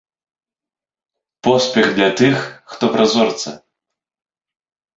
Поспех для тых, хто празорца!